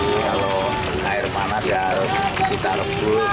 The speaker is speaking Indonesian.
kalau air panas ya kita rebut